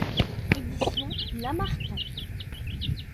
Éditions l'Harmattan.